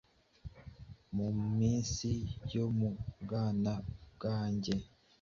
Mu minsi yo mu bwana bwanjye,